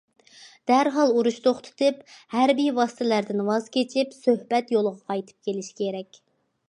دەرھال ئۇرۇش توختىتىپ، ھەربىي ۋاسىتىلەردىن ۋاز كېچىپ، سۆھبەت يولىغا قايتىپ كېلىش كېرەك.